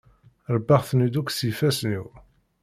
Rebbaɣ-ten-id akk s yifassen-iw.